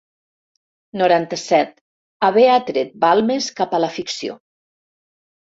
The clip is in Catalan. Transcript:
Noranta-set haver atret Balmes cap a la ficció.